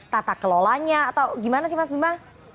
tata kelolanya atau gimana sih mas bima